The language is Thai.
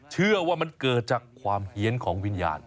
เชื่อว่ามันเกิดจากความเฮียนของวิญญาณ